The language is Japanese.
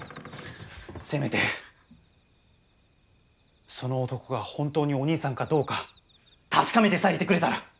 せめてその男が本当にお兄さんかどうか確かめてさえいてくれたら！